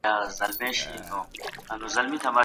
د ښوونکو د شکایتونو د اوریدو لپاره کومه مرجع سته؟